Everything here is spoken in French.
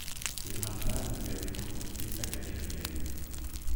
Une rafale lui avait emporté sa galérienne.